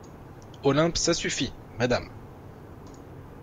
Olympe Ça suffit, Madame …